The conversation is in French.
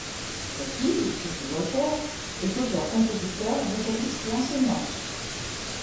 Sa fille, Sophie Walter, est auteur compositeur, vocaliste et enseignante.